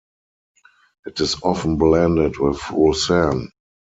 It is often blended with Roussanne.